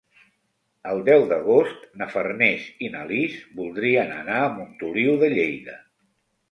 El deu d'agost na Farners i na Lis voldrien anar a Montoliu de Lleida.